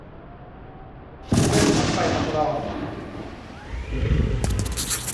เครื่องทำไฟสำรอง